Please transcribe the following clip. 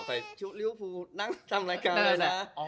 ใส่ชุดริ้วพูดนั่งทำรายการเลยนะ